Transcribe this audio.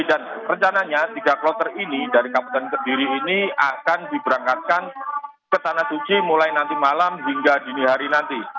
dan rencananya tiga kloter ini dari kabupaten kediri ini akan diberangkatkan ke tanah suci mulai nanti malam hingga dini hari nanti